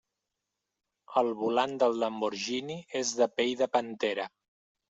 El volant del Lamborghini és de pell de pantera.